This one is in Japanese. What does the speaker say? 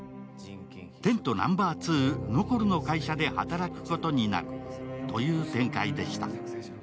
テントナンバー２、ノコルの会社で働くことになるという展開でした。